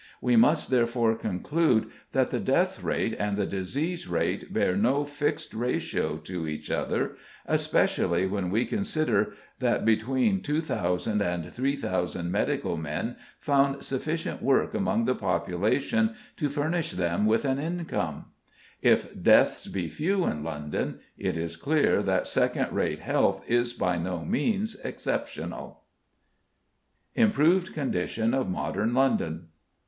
We must therefore conclude that the death rate and the disease rate bear no fixed ratio to each other, especially when we consider that between 2,000 and 3,000 medical men found sufficient work among the population to furnish them with an income. If deaths be few in London, it is clear that second rate health is by no means exceptional. IMPROVED CONDITION OF MODERN LONDON.